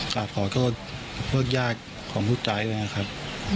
กลับขอโทษรถยากของผู้ตายเลยนะครับ